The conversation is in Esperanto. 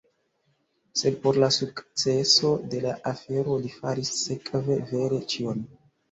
Sed por la sukceso de la afero li faris sekve vere ĉion.